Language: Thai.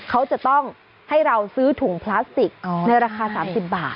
เขาจะต้องให้เราซื้อถุงพลาสติกในราคา๓๐บาท